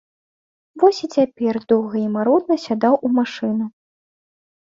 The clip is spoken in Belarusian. Вось і цяпер доўга і марудна сядаў у машыну.